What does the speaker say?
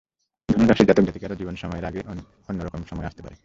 ধনু রাশির জাতক-জাতিকারও জীবনে সময়ের আগে কিছু অন্য রকম সময় আসতে পারে।